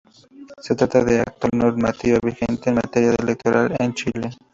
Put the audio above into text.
Se trata de la actual normativa vigente en materia electoral en Chile.